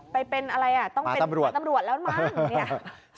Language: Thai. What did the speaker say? ไปเป็นอะไรต้องเป็นตำรวจแล้วมั้งเนี่ยพาตำรวจ